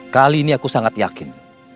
kali ini aku sangat yakin